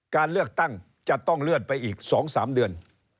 การเลือกตั้งจะต้องเลื่อนไปอีก๒๓เดือน